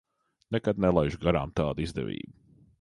Nekad nelaižu garām tādu izdevību.